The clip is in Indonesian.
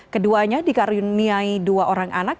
keduanya dikaruniai dua orang anak